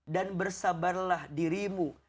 dan bersabarlah dirimu